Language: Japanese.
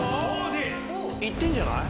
いってんじゃない？